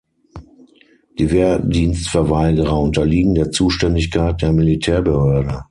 Die Wehrdienstverweigerer unterliegen der Zuständigkeit der Militärbehörde.